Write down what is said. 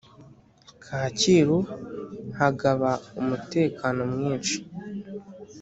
kacyiru haqaba umutekano mwinshi